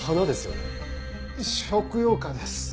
食用花です。